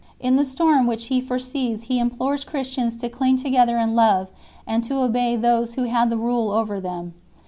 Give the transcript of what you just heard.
In the storm which he foresees he implores Christians to cling together in love and to obey those who had the rule over them.